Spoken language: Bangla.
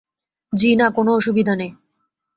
জ্বি-না, কোনো অসুবিধা নেই।